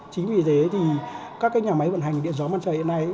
chính vì thế thì các cái nhà máy vận hành điện gió mặt trời hiện nay